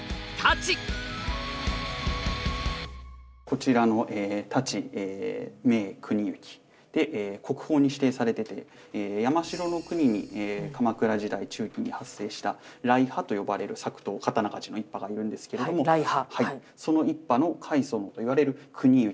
こちらの「太刀銘国行」で国宝に指定されてて山城国に鎌倉時代中期に発生した来派と呼ばれる作刀刀鍛冶の一派がいるんですけれどもその一派の開祖といわれる国行が作りました太刀ですね。